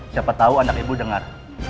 siapa tahu anak ibu dengar